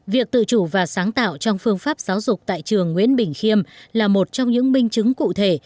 việc tự chủ và sáng tạo trong phương pháp giáo dục tại trường nguyễn bình khiêm là một trong những minh chứng cụ thể